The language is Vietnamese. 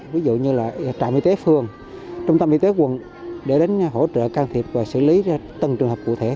ví dụ như là trạm y tế phường trung tâm y tế quận để đến hỗ trợ can thiệp và xử lý ra từng trường hợp cụ thể